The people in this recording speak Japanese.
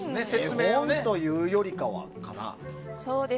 絵本というよりかは、かな。